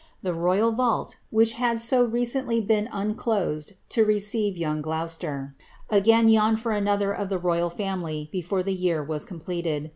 The royal vault, which had so recently been unclosed to re ceive young Gloucester, again yawned for anotiier of the royal femiir before the year was completed.